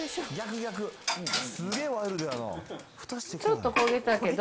ちょっと焦げたけど。